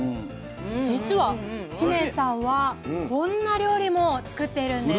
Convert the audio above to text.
実は知念さんはこんな料理も作っているんです。